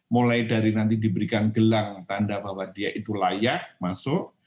mulai dari nanti diberikan gelang tanda bahwa dia itu layak masuk